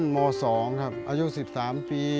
ม๒ครับอายุ๑๓ปี